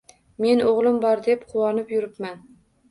Men o'g'lim bor, deb quvonib yuribman.